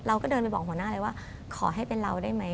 เราก็เดินไปบอกหัวหน้าเลยว่าขอให้เป็นเราได้ไหม